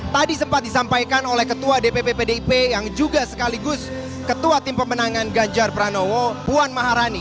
tadi sempat disampaikan oleh ketua dpp pdip yang juga sekaligus ketua tim pemenangan ganjar pranowo puan maharani